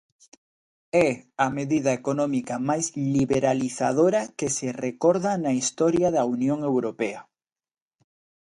É a medida económica máis liberalizadora que se recorda na historia da Unión Europea.